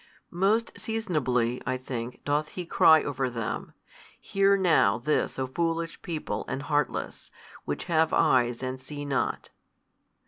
Most seasonably (I think) doth He cry over them, Hear now this O foolish people and heartless, which have eyes and see not.